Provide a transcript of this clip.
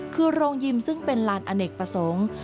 คือโรงยิมซึ่งเป็นลานอเนกประสงค์